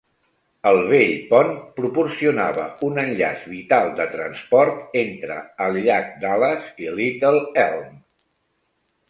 El vell pont proporcionava un enllaç vital de transport entre el llac Dallas i Little Elm.